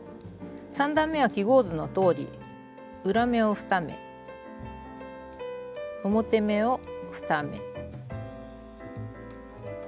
３段めは記号図のとおり裏目を２目表目を２目。